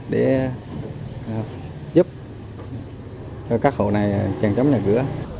để giúp cho các hộ này trang chống nhà cửa